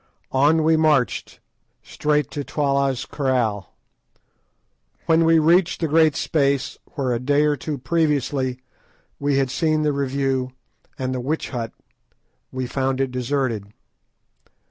On we marched, straight to Twala's kraal. When we reached the great space, where a day or two previously we had seen the review and the witch hunt, we found it deserted.